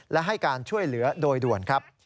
และให้การช่วยเหลือโดยด่วนครับ